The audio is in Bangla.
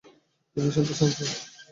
Aviation to central.